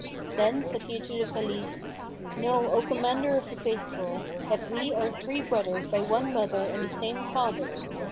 Then said he to the Caliph, "Know, O Commander of the Faithful, that we are three brothers by one mother and the same father.